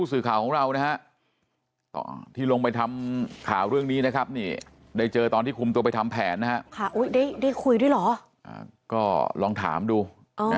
คุมตัวไปทำแผนนะฮะค่ะอุ๊ยได้ได้คุยด้วยเหรออ่าก็ลองถามดูเออ